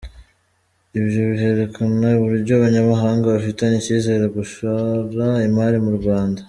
Ibyo bikerekana uburyo abanyamahanga bafitiye icyizere gushora imari mu Rwanda.